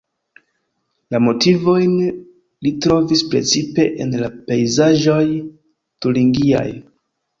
La motivojn li trovis precipe en la pejzaĝoj turingiaj.